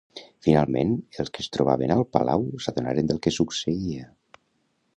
Finalment els que es trobaven al Palau s'adonaren del que succeïa.